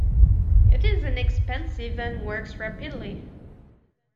It is inexpensive and works rapidly.